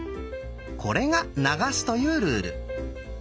これが「流す」というルール。